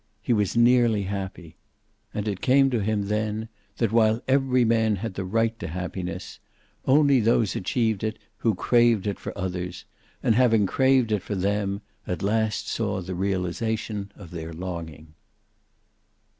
He was nearly happy. And it came to him then that, while every man had the right to happiness, only those achieved it who craved it for others, and having craved it for them, at last saw the realization of their longing.